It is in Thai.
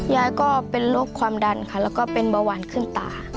ยายก็เป็นโรคความดันค่ะแล้วก็เป็นเบาหวานขึ้นตา